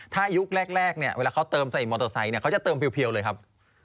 ถ้าอายุแรกเวลาเขาเติมใส่มอเตอร์ไซค์เขาจะเติมเพียวเลยครับ